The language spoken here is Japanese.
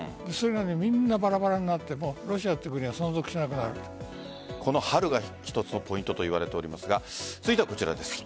みんなバラバラになってロシアという国はこの春が一つのポイントといわれておりますが続いてはこちらです。